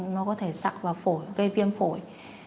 nó có thể sặc vào phổi gây viêm phổi